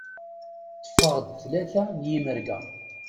Ṭṭfeɣ-d tlata n yimerga.